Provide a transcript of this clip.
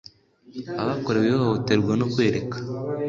abakorewe ihohoterwa no kwereka